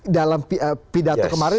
dalam pidato kemarin